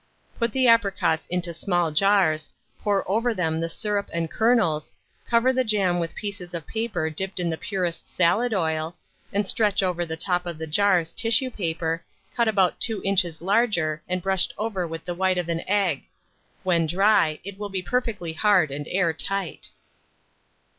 Put the apricots into small jars, pour over them the syrup and kernels, cover the jam with pieces of paper dipped in the purest salad oil, and stretch over the top of the jars tissue paper, cut about 2 inches larger and brushed over with the white of an egg: when dry, it will be perfectly hard and air tight.